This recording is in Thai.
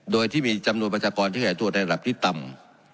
โดยที่มีจำนวนประชากรที่หายตัวในระดับที่ต่ำ